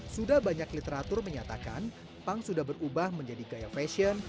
sudah banyak literatur menyatakan punk sudah berubah menjadi gaya fashion